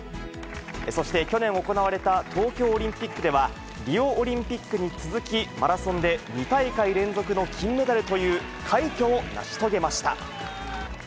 そして去年行われた東京オリンピックでは、リオオリンピックに続き、マラソンで２大会連続の金メダルという快挙を成し遂げました。